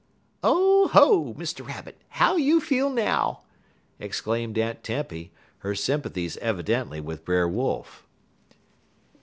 "Oh ho, Mr. Rabbit! How you feel now?" exclaimed Aunt Tempy, her sympathies evidently with Brother Wolf.